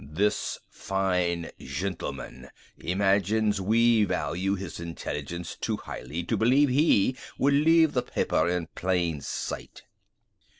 This fine gentleman imagines we value his intelligence too highly to believe he would leave the paper in plain sight."